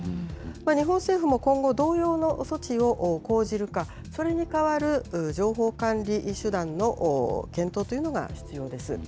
日本政府も今後、同様の措置を講じるか、それに代わる情報管理手段の検討というのが必要です。